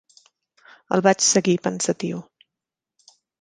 El vaig seguir pensatiu.